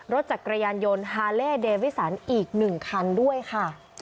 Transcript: รถจักรยานยนต์ฮาเล่เดวิสันอีก๑คันด้วยค่ะ